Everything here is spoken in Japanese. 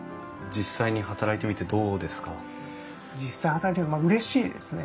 実際働いてみてうれしいですね。